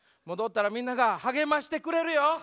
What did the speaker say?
戻ったらみんなが励ましてくれるよ！